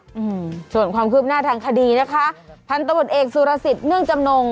อืมส่วนความคืบหน้าทางคดีนะคะพันธบทเอกสุรสิทธิเนื่องจำนง